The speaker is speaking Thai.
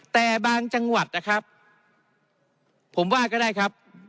แต่บางจังหวัดนะครับผมว่าก็ได้ครับ